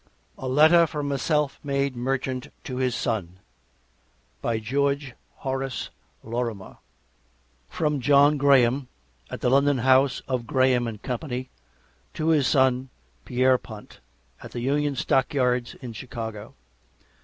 A LETTER FROM A SELF MADE MERCHANT TO HIS SON BY GEORGE HORACE LORIMER [From John Graham, at the London House of Graham & Co., to his son, Pierrepont, at the Union Stock Yards in Chicago.